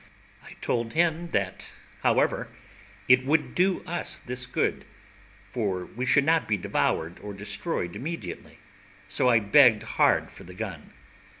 I told him that, however, it would do us this good, for we should not be devoured or destroyed immediately; so I begged hard for the gun.